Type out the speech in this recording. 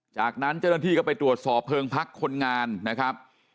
จากนั้นเจ้าหน้าที่ก็ไปตรวจสอบเพลิงพักคนงานนะครับ